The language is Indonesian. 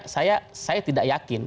saya tidak yakin